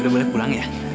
udah balik pulang ya